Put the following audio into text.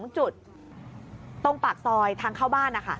๒จุดตรงปากซอยทางเข้าบ้านนะคะ